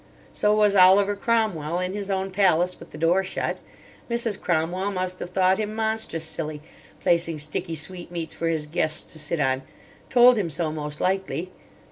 So was Oliver Cromwell in his own palace with the door shut. Mrs. Cromwell must have thought him monstrous silly, placing sticky sweetmeats for his guests to sit on—told him so, most likely.